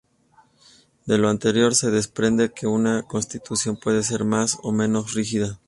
De lo anterior se desprende que una constitución puede ser más o menos rígida.